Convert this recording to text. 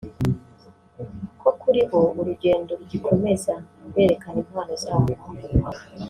ko kuri bo urugendo rugikomeza berekana impano zabo